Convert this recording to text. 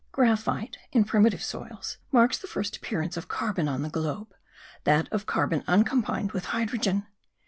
Graphite, in primitive soils, marks the first appearance of carbon on the globe that of carbon uncombined with hydrogen.